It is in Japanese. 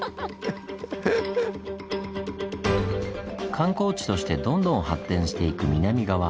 観光地としてどんどん発展していく南側。